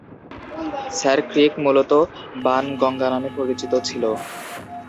Sir Creek মূলত বান গঙ্গা নামে পরিচিত ছিল।